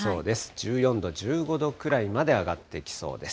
１４度、１５度ぐらいまで上がってきそうです。